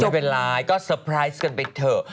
ไม่เป็นไรก็เตอร์ไพรส์กันไปเถอะ